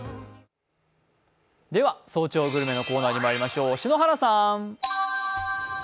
では「早朝グルメ」のコーナーにまいりましょう、篠原さん。